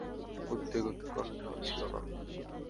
উদ্বেগ উৎকণ্ঠাও ছিল না।